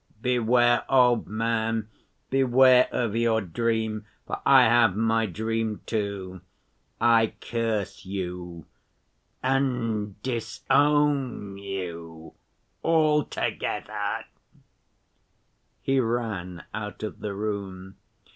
"Beware, old man, beware of your dream, for I have my dream, too. I curse you, and disown you altogether." He ran out of the room.